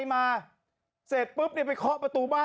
ฮ่าฮ่าฮ่า